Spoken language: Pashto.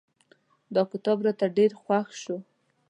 دا کتاب راته ډېر خوښ شو.